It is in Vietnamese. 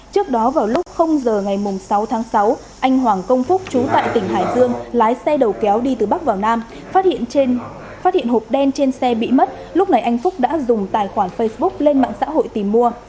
trước đó vào lúc giờ ngày sáu tháng sáu anh hoàng công phúc chú tại tỉnh hải dương lái xe đầu kéo đi từ bắc vào nam phát hiện trên phát hiện hộp đen trên xe bị mất lúc này anh phúc đã dùng tài khoản facebook lên mạng xã hội tìm mua